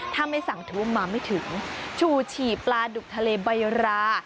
ถ้าไม่สั่งทุกวันมาไม่ถึงฉูฉี่ปลาดุกทะเลบัยรา